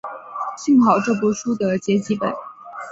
幸好这部书的结集本。